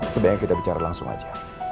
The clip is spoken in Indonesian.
sebaiknya kita bicara langsung aja